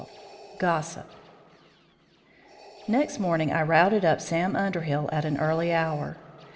XII GOSSIP Next morning I routed up Sam Underhill at an early hour.